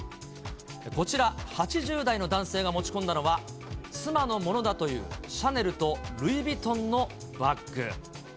こちら、８０代の男性が持ち込んだのは、妻のものだというシャネルとルイ・ヴィトンのバッグ。